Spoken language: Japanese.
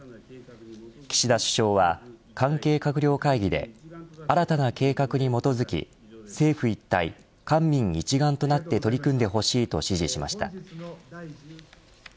岸田首相は関係閣僚会議で新たな計画に基づき、政府一体官民一丸となって取り組んでほしいと指示しました。